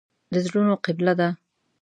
د زړونو قبله ده.